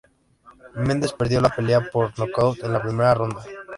Mendes perdió la pelea por nocaut en la primera ronda.